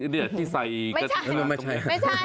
ไม่ใช่ไม่ใช่